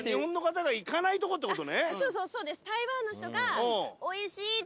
そうそうそうです。